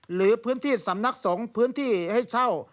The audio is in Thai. หรือพื้นที่สำนักสงฆ์พื้นที่ให้เช่า